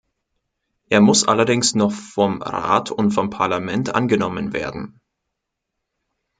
Er muss allerdings noch vom Rat und vom Parlament angenommen werden.